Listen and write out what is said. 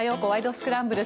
スクランブル」。